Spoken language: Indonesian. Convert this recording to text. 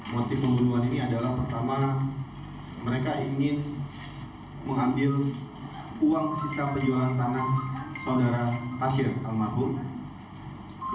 motif pembunuhan ini adalah pertama mereka ingin mengambil uang sisa penjualan tanah saudara tasir almarhum